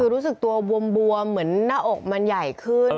คือรู้สึกตัวบวมเหมือนหน้าอกมันใหญ่ขึ้น